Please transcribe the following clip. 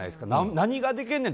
何ができるねん。